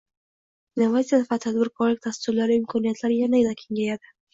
Innovatsiya va tadbirkorlik dasturlari imkoniyatlari yanada kengayadi